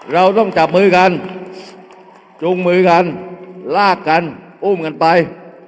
เราต้องจับมือกันจูงมือกันลากกันอุ้มกันไป